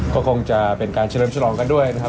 ก็คงจะเป็นการเฉลิมฉลองกันด้วยนะครับ